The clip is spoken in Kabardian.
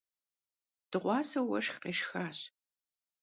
Dığuase vueşşx khêşşxaş.